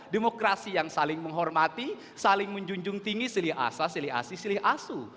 demokrasi yang saling menghormati saling menjunjung tinggi silih asa silih asi silih asu